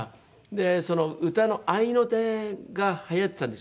で歌の合いの手がはやってたんですよね。